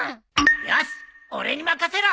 よしっ俺に任せろ！